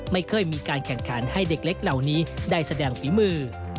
ไม่เคยมีการแข่งขันให้เด็กเล็กเหล่านี้ได้แสดงฝีมือ